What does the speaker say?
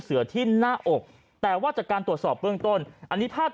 เสือที่หน้าอกแต่ว่าจากการตรวจสอบเบื้องต้นอันนี้ภาพ